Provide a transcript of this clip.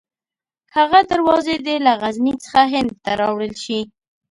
هغه دروازې دې له غزني څخه هند ته راوړل شي.